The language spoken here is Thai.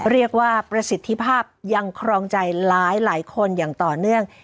เรียกว่าประสิทธิภาพยังครองใจหลายคนอย่างต่อเนื่อง